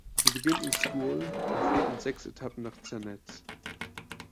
Sie beginnt in Scuol und führt in sechs Etappen nach Zernez.